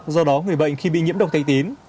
do đó người bệnh khi bị nhiễm độc thay tín